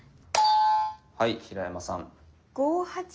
はい平山さん。